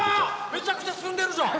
めちゃくちゃ進んでるじゃん！